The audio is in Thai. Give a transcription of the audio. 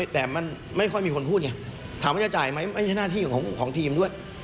แต่มันไม่ค่อยมีคนพูดไงถามว่าจะจ่ายไหมไม่ใช่หน้าที่ของทีมด้วย